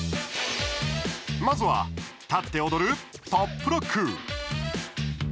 まずは、立って踊るトップロック。